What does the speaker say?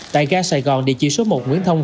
tại ga sài gòn địa chỉ số một nguyễn thông